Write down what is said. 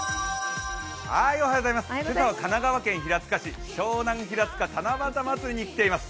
今朝は神奈川県平塚市湘南ひらつか七夕まつりに来ています。